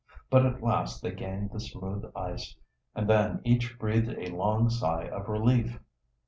But at last they gained the smooth ice, and then each breathed a long sigh of relief.